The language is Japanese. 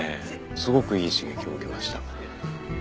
すごくいい刺激を受けました。